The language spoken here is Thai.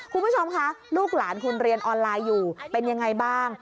คุณผู้ชมคะลูกหลานคุณเรียนออนไลน์อยู่เป็นยังไงบ้าง